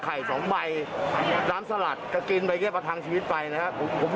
ไข่๒ใบน้ำสลัดกินอะไรอย่างนี้ประทังชีวิตไปนะครับ